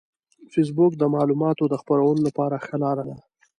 فېسبوک د معلوماتو د خپرولو لپاره ښه لار ده